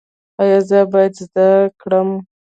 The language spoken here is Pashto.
ایا زه باید زده کړم؟